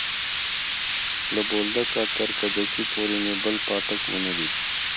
له بولدکه تر کجکي پورې مې بل پاټک ونه ليد.